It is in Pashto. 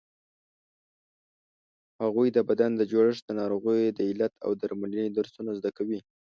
هغوی د بدن د جوړښت، د ناروغیو د علت او درملنې درسونه زده کوي.